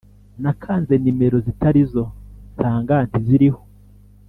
Nakanze nimero zitarizo nsanga ntiziriho